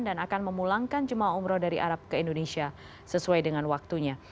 dan akan memulangkan jemaah umroh dari arab ke indonesia sesuai dengan waktunya